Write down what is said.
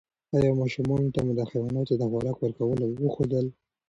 ایا ماشومانو ته مو د حیواناتو د خوراک ورکولو وښودل؟